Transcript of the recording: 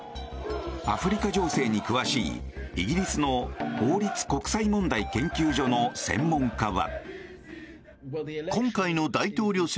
アフリカ情勢に詳しいイギリスの王立国際問題研究所の専門家は。